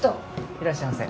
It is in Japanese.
いらっしゃいませ。